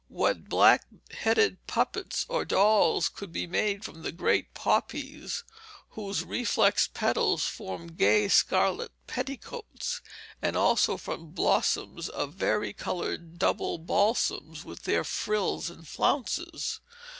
What black headed puppets or dolls could be made from the great poppies, whose reflexed petals formed gay scarlet petticoats; and also from the blossoms of vari colored double balsams, with their frills and flounces!